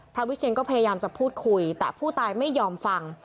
วิเชียนก็พยายามจะพูดคุยแต่ผู้ตายไม่ยอมฟัง